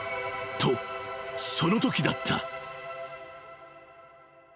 ［とそのときだった］